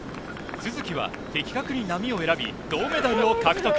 都筑は的確に波を選び、銅メダルを獲得。